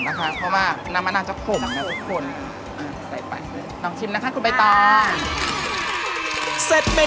จะบอกว่าจานนี้รสชาติแบบร่มกรอบมาก